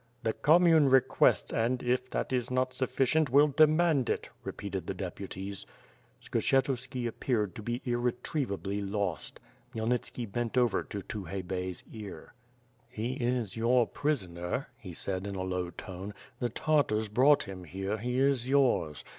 "The commune requests and, if that is not sufficient, will demand it, ' repeated the deputies. Skshetuski appeared to be irretrievably lost. Khmyelnit ski bent over to Tukhay Bey's ear. "He is your prisoner,'' he said, in a low tone. "The Tartars brought him here, he is yours.